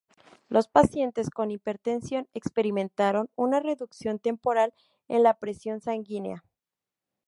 Los pacientes con hipertensión experimentaron una reducción temporal en la presión sanguínea.